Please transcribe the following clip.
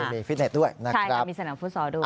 มีฟิตเน็ตด้วยนะครับมีสนามฟุตซอลด้วย